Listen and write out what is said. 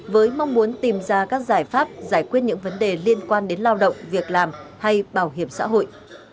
với mong muốn tìm ra các giải pháp giải quyết những vấn đề liên quan đến lao động việc làm hay bảo hiểm xã hội